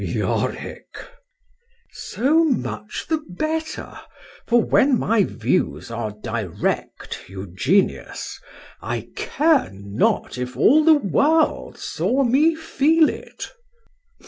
Yorick— —So much the better: for when my views are direct, Eugenius, I care not if all the world saw me feel it.